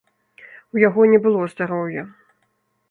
У яго не было здароўя.